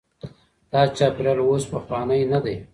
دا چاپیریال اوس پخوانی نه دی.